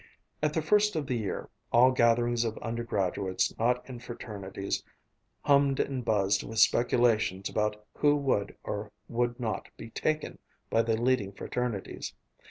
At the first of the year, all gatherings of undergraduates not in fraternities hummed and buzzed with speculations about who would or would not be "taken" by the leading fraternities.